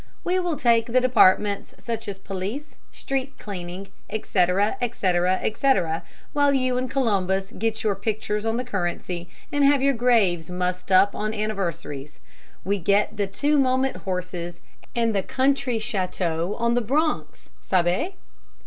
"We will take the departments, such as Police, Street Cleaning, etc., etc., etc., while you and Columbus get your pictures on the currency and have your graves mussed up on anniversaries. We get the two moment horses and the country châteaux on the Bronx. Sabe?"